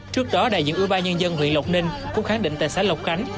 trước đó đại diện ưu ba nhân dân huyện lọc ninh cũng khẳng định tại xã lọc khánh